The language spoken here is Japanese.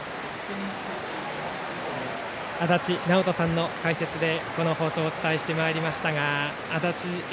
足達尚人さんの解説でこの放送お伝えしてまいりました。